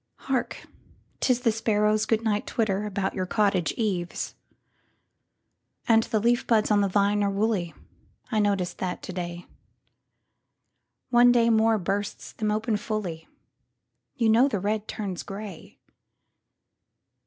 Hark, 'tis the sparrows' good night twitterAbout your cottage eaves! And the leaf buds on the vine are woolly,I noticed that, to day; One day more bursts them open fully—You know the red turns gray.